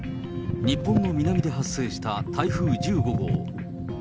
日本の南で発生した台風１５号。